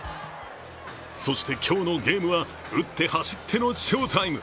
そして今日のゲームは打って走っての翔タイム。